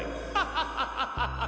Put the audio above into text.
ハッハハハ！